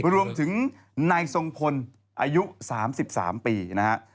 รวมถึงนายทรงพลอายุ๓๓ปีนะฮะ